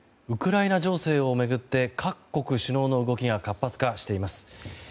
ウクライナ情勢を巡って各国首脳の動きが活発化しています。